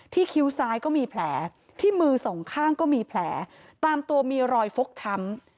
คิ้วซ้ายก็มีแผลที่มือสองข้างก็มีแผลตามตัวมีรอยฟกช้ำ